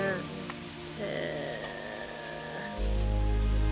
へえ。